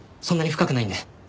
そんなに深くないんで。